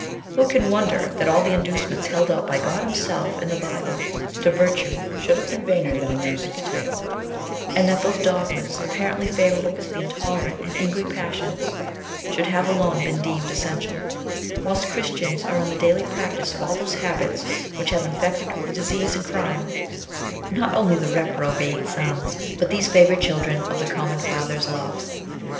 * Who can wonder that all the inducements held out by God himself in the Bible to virtue should have been vainer than a nurse's tale ; and that those dogmas, apparently favourable to the intolerant and angry passions, should have alone âĶSee Dr. Lambe's " Report on Cancer." Digitized by Google 18 A Vindiccaion of Natural Diet. been deemed essential ; whilst Christians are in the daily practice of all those habits which have infected with disease and crime, not only the reprobate sons, but these favoured children of the common Father's love.